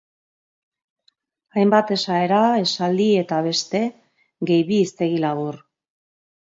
Hainbat esaera, esaldi eta beste, gehi bi hiztegi labur.